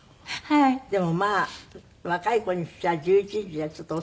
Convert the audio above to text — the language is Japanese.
でもまあ若い子にしちゃ１１時はちょっと遅いかも。